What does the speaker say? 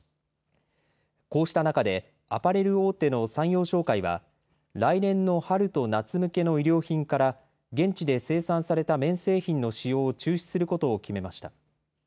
こうした中でアパレル大手の三陽商会は来年の春と夏向けの衣料品から現地で生産された綿製品の使用を中止することを決めました。